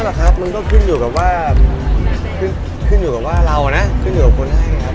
หรอกครับมันก็ขึ้นอยู่กับว่าขึ้นอยู่กับว่าเรานะขึ้นอยู่กับคนให้นะครับ